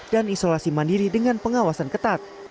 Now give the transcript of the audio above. dan isolasi mandiri dengan pengawasan ketat